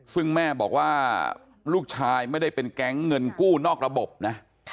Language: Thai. ซึ่งแม่บอกว่าลูกชายไม่ได้เป็นแก๊งเงินกู้นอกระบบนะ